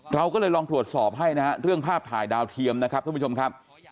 เราก็เลยลองตรวจสอบให้นะฮะเรื่องภาพถ่ายดาวเทียมนะครับท่านผู้ชมครับ